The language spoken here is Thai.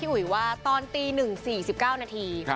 อุ๋ยตอนตีนึง๔๙นาที